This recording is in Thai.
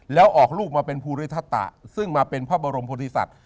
แล้วออกรูปมาเป็นภูริธัตตะซึ่งมาเป็นพระบรมพฤษัตริย์